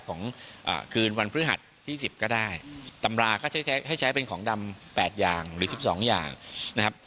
ของคืนวันพฤหัสที่๑๐ก็ได้ตำราก็ใช้ให้ใช้เป็นของดำ๘อย่างหรือ๑๒อย่างนะครับ